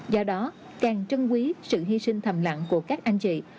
do đó càng chân quý sự hy sinh thầm lặng của các anh chị